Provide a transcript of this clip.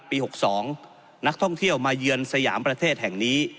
ปี๖๒นักท่องเที่ยวมาเยือนสยามประเทศแห่งนี้